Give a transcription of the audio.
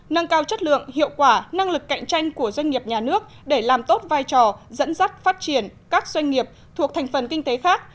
nâng cao chất lượng hiệu quả năng lực cạnh tranh của doanh nghiệp nhà nước để làm tốt vai trò dẫn dắt phát triển các doanh nghiệp thuộc thành phần kinh tế khác